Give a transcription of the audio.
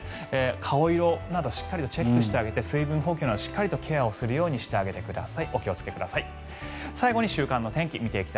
顔色などしっかりチェックしてあげて水分補給などしっかりケアするようにしてください。